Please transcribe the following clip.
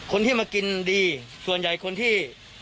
คนที่มากินดีส่วนใหญ่คนที่